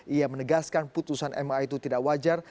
ia menegaskan putusan ma itu tidak wajar